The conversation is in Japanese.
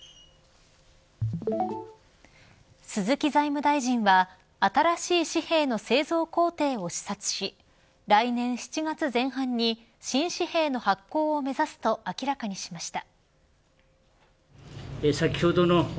鈴木財務大臣は新しい紙幣の製造工程を視察し来年７月前半に新紙幣の発行を目指すと明らかにしました。